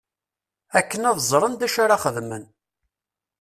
Akken ad ẓren d acu ara xedmen.